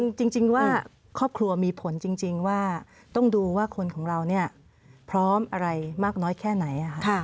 จริงว่าครอบครัวมีผลจริงว่าต้องดูว่าคนของเราพร้อมอะไรมากน้อยแค่ไหน